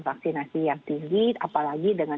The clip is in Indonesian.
vaksinasi yang tinggi apalagi dengan